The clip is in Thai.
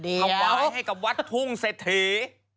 เอาไว้ให้กับวัดธุ่งเศรษฐี